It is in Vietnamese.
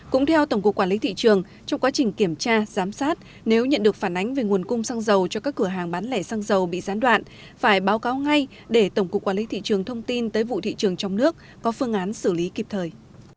cũng theo tổng cục quản lý thị trường trong quá trình kiểm tra giám sát nếu nhận được phản ánh về nguồn cung xăng dầu cho các cửa hàng bán lẻ xăng dầu bị gián đoạn phải báo cáo ngay để tổng cục quản lý thị trường thông tin tới vụ thị trường trong nước có phương án xử lý kịp thời